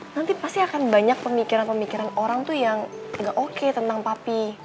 nanti pasti akan banyak pemikiran pemikiran orang tuh yang agak oke tentang papi